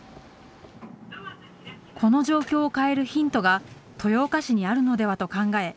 この状況を変えるヒントが豊岡市にあるのではと考え